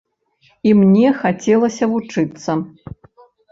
І мне хацелася вучыцца.